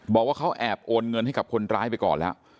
บอกว่าเขาแอบโอนเงินให้กับคนร้ายไปก่อนแล้ว